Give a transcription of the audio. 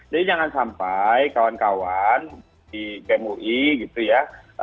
jadi jangan sampai kawan kawan di bem ui gitu ya